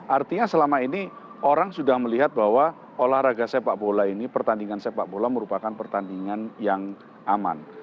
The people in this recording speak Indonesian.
artinya selama ini orang sudah melihat bahwa olahraga sepak bola ini pertandingan sepak bola merupakan pertandingan yang aman